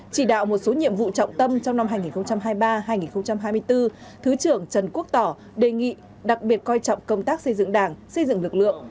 chỉ đạo một số nhiệm vụ trọng tâm trong năm hai nghìn hai mươi ba hai nghìn hai mươi bốn thứ trưởng trần quốc tỏ đề nghị đặc biệt coi trọng công tác xây dựng đảng xây dựng lực lượng